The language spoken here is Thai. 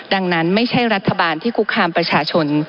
ดังนั้นไม่ใช่รัฐบาลที่คุกคามประชาชน